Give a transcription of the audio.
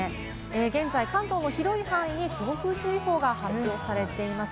現在、関東の広い範囲に強風注意報が発表されています。